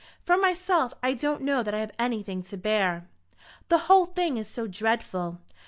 "For myself, I don't know that I have anything to bear." "The whole thing is so dreadful.